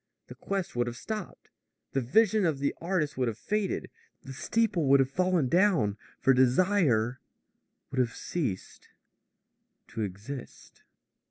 The quest would have stopped. The vision of the artist would have faded. The steeple would have fallen down. For desire would have ceased to exist.